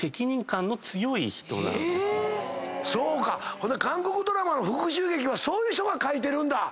ほんなら韓国ドラマの復讐劇はそういう人が書いてるんだ。